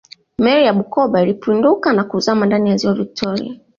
meli ya bukoba ilipinduka na kuzama ndani ya ziwa victoria